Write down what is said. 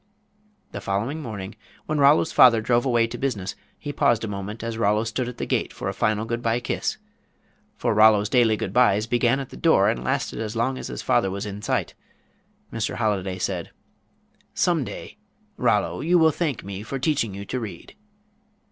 The following morning, when Rollo's father drove away to business, he paused a moment as Rollo stood at the gate for a final good by kiss for Rollo's daily good byes began at the door and lasted as long as his father was in sight Mr. Holliday said: "Some day, Rollo, you will thank me for teaching you to read."